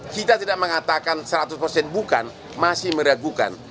kita tidak mengatakan seratus persen bukan masih meragukan